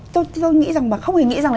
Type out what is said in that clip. tôi nghĩ rằng không hề nghĩ rằng